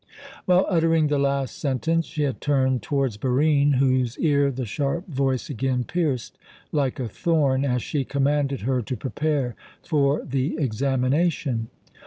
While uttering the last sentence she had turned towards Barine, whose ear the sharp voice again pierced like a thorn, as she commanded her to prepare for the examination.